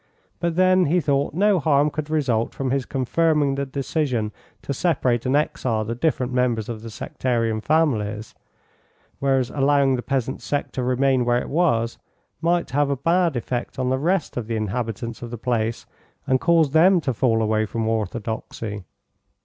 But then he thought no harm could result from his confirming the decision to separate and exile the different members of the sectarian families, whereas allowing the peasant sect to remain where it was might have a bad effect on the rest of the inhabitants of the place and cause them to fall away from Orthodoxy.